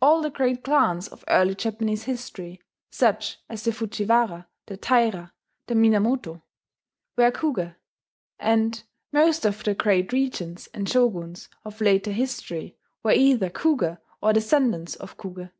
All the great clans of early Japanese history such as the Fujiwara, the Taira, the Minamoto were Kuge; and most of the great regents and shoguns of later history were either Kuge or descendants of Kuge.